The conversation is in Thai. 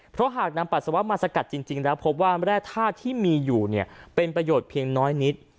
เพราะหากนำปัสสาวะมาสกัดจริงแล้วพบว่าแร่ธาตุที่มีอยู่เนี่ยเป็นประโยชน์เพียงน้อยนิด